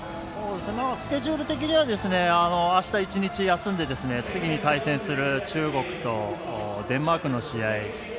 スケジュール的にはあした１日休んで次に対戦する中国とデンマークの試合。